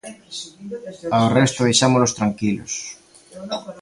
Ao resto deixámolos tranquilos.